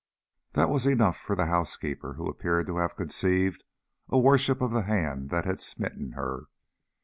That was enough for the housekeeper, who appeared to have conceived a worship of the hand that had smitten her.